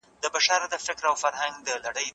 A ګروپ ممکن ناروغي سرطان ته واوړي.